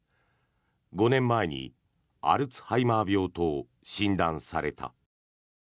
５年前にアルツハイマー病と診断された。